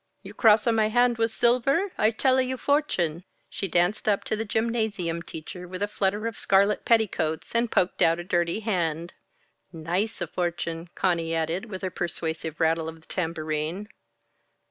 "You cross a my hand with silver? I tell a your fortune." She danced up to the gymnasium teacher with a flutter of scarlet petticoats, and poked out a dirty hand. "Nice a fortune," Conny added with a persuasive rattle of the tambourine.